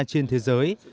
trên thế giới